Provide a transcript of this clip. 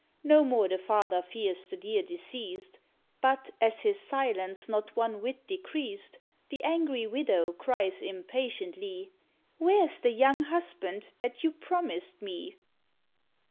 No more the father fears the dear deceased; But, as his silence not one whit decreased, The angry widow cries impatiently, "Where's the young husband that you promised me?"